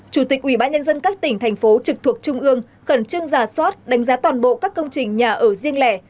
chủ tịch ubnd các tỉnh thành phố trực thuộc trung ương khẩn trương giả soát đánh giá toàn bộ các công trình nhà ở riêng lẻ